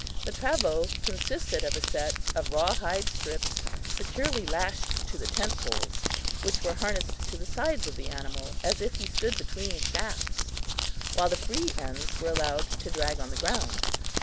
The travaux consisted of a set of rawhide strips securely lashed to the tent poles, which were harnessed to the sides of the animal as if he stood between shafts, while the free ends were allowed to drag on the ground.